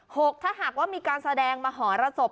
หกถ้าหากว่ามีการแสดงมาห่อระศพ